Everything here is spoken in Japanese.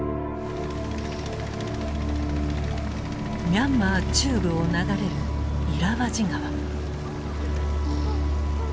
ミャンマー中部を流れるイラワジ河。